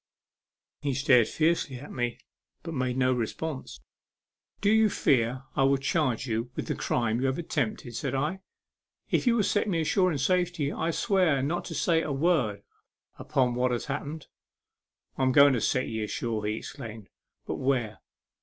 He stared fiercely at me, but made no response. 82 A MEMORABLE SWIM. " Do you fear I will charge you with the crime you have attempted ?" said I. " If you will set me ashore in safety I swear not to say a word upon what has happened." " I'm going to set ye ashore," he exclaimed. "But where?"